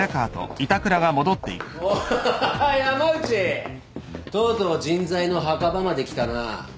おハハハ山内とうとう人材の墓場まで来たな。